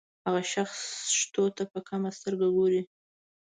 هغه شخص شتو ته په کمه سترګه ګوري.